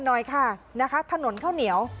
หน่อยค่ะนะคะถนนข้าวเหนียว